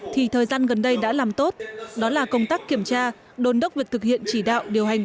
thì thời gian gần đây đã làm tốt đó là công tác kiểm tra đồn đốc việc thực hiện chỉ đạo điều hành